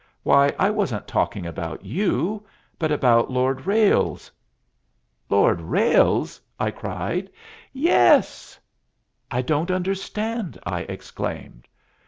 Why, I wasn't talking about you, but about Lord Ralles." "Lord Ralles!" I cried. "Yes." "I don't understand," I exclaimed.